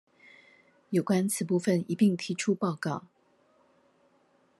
有關此部分一併提出報告